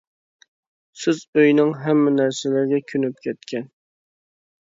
سىز ئۆينىڭ ھەممە نەرسىلىرىگە كۆنۈپ كەتكەن.